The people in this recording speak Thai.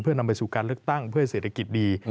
เพื่อนำไปสู่การเลือกตั้งเพื่อให้เศรษฐกิจดี